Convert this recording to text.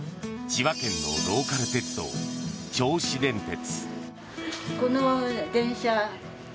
千葉県のローカル鉄道銚子電鉄。